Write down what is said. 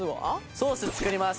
ソース作ります。